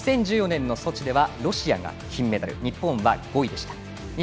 ２０１４年、ソチではロシアが金メダル日本は５位でした。